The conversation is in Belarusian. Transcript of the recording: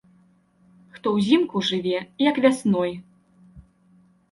Хто ўзімку жыве, як вясной!